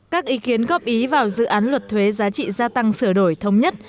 các ý kiến góp ý vào dự án luật thuế giá trị gia tăng sửa đổi thống nhất